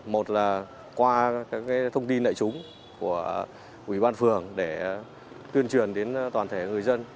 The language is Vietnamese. một là qua các thông tin đại chúng của ủy ban phường để tuyên truyền đến toàn thể người dân